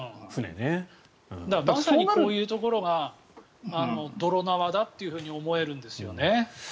まさにこういうところが泥縄だというふうに思えるんですよね。